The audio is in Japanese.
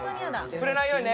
触れないようにね。